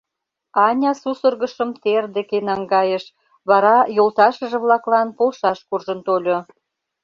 Аня сусыргышым тер деке наҥгайыш, вара йолташыже-влаклан полшаш куржын тольо.